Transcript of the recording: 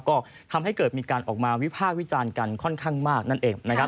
ก็ทำให้เกิดมีการออกมาวิภาควิจารณ์กันค่อนข้างมากนั่นเองนะครับ